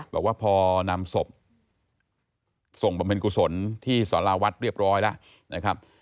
บอกว่าพอนำศพส่งบำเพ็ญกุศลที่สรวรรค์วัดเรียบร้อยแล้ว